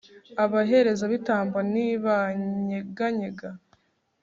abaherezabitambo ntibanyeganyega